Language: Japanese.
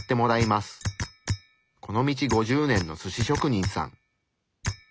この道５０年のすし職人さん。